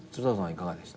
いかがでした？